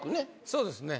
そうですね。